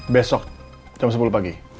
besok jam sepuluh pagi